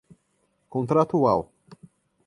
contratual